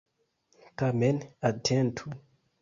Tamen atentu!